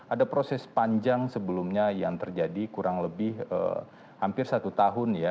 ada proses panjang sebelumnya yang terjadi kurang lebih hampir satu tahun ya